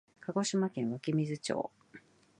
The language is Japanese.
鹿児島県湧水町